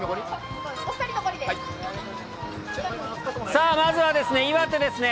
さあ、まずは岩手ですね。